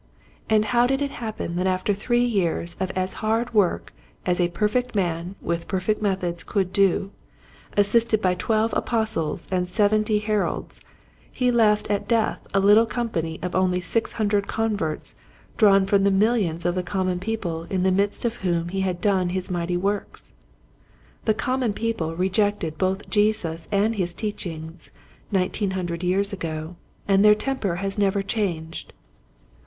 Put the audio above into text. " And how did it happen that after three years of as hard work as a perfect man with perfect methods could do, assisted by twelve apostles and seventy heralds, he left at death a little company of only six hundred converts drawn from the millions of the common people in the midst of whom he had done his mighty works } The common people rejected both Jesus and his teachings nineteen hundred years ago and their temper has never changed.